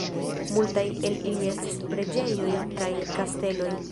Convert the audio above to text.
Multaj el ili estas preĝejoj kaj kasteloj.